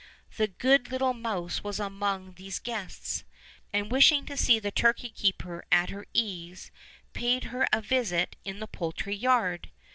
The good little mouse was among these guests; and wishing to see the turkey keeper at her ease, paid her a visit in the poultry yard.